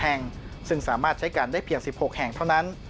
แห่งซึ่งสามารถใช้กันได้เพียง๑๖แห่งเท่านั้น